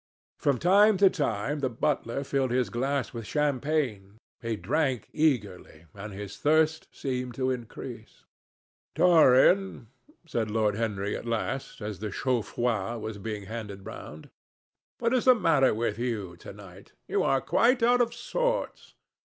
From time to time the butler filled his glass with champagne. He drank eagerly, and his thirst seemed to increase. "Dorian," said Lord Henry at last, as the chaud froid was being handed round, "what is the matter with you to night? You are quite out of sorts."